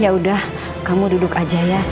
ya udah kamu duduk aja ya